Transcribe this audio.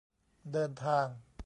เดินทาง